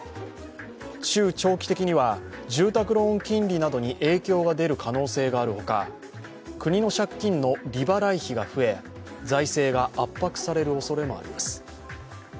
中長期的には住宅ローン金利などに影響が出る可能性があるほか国の借金の利払い費が増え、財政が圧迫されるおそれもあります。